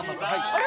あれ？